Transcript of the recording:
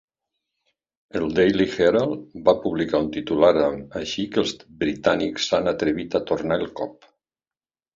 El "Daily Herald" va publicar un titular amb "Així que els britànics s'han atrevit a tornar el cop".